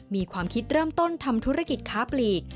มีความคิดเริ่มต้นทำธุรกิจค้าปลีก